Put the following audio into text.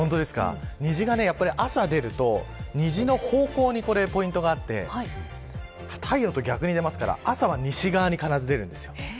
虹が朝出ると虹の方向にポイントがあって、太陽と逆に出ますから、朝は西側に必ず出るんですよ。